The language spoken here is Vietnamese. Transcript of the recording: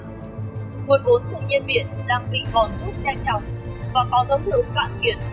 nguồn vốn tự nhiên biển đang bị vòn rút ngay trong và có giống lượng cạn biển